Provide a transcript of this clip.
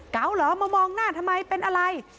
เหรอมามองหน้าทำไมเป็นอะไร